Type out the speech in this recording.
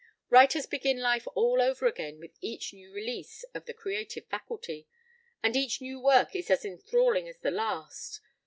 ... Writers begin life all over again with each new release of the creative faculty; and each new work is as enthralling as the last.